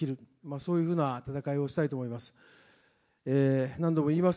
そういうふうな戦いをしたいと思います。